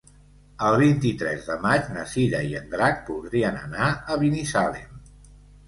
El vint-i-tres de maig na Cira i en Drac voldrien anar a Binissalem.